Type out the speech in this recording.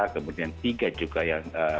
kemudian tiga juga yang